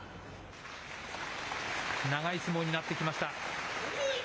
長い相撲になってきました。